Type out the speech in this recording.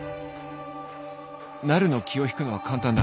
なるの気を引くのは簡単だ